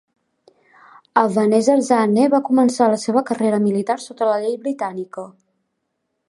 Ebenezer Zane va començar la seva carrera militar sota la llei britànica.